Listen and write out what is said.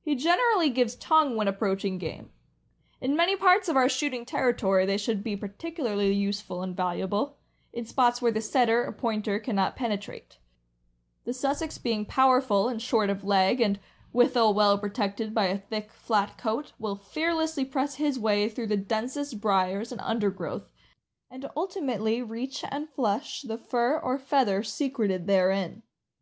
He generally gives tongue when approaching game. In many parts of our shooting territory they should be particularly useful and valuable, in spots where the Setter or Pointer can not penetrate; the Sussex being powerful and short of leg, and withal well protected by a thick, flat coat, will fearlessly press his way through the densest briers and undergrowth, and ultimately reach and flush the fur or feather secreted therein.